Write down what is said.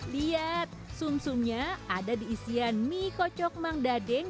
lihat sum sumnya ada di isian mie kocok mang dadeng